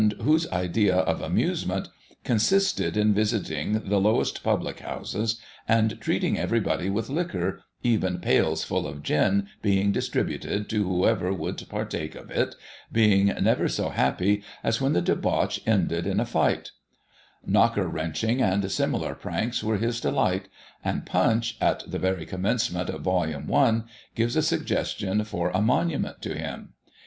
whose idea of amusement consisted in visiting the lowest public houses, and treating everybody with liquor, even pails full of gin being distributed to whoever would partake of it — ^being never so happy as when the debauch ended in a fight Knocker wrenching and similar pranks were his delight, and Punchy at the very commencement of vol. i., gives a suggestion for a monument to him.